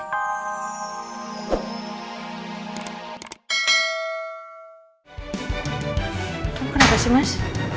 kamu kenapa sih mas